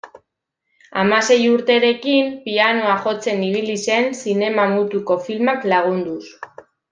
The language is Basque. Hamasei urterekin, pianoa jotzen ibili zen zinema mutuko filmak lagunduz.